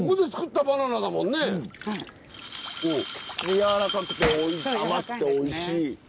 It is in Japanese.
やわらかくて甘くておいしい。